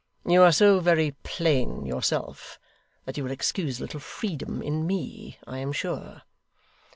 You are so very plain yourself, that you will excuse a little freedom in me, I am sure.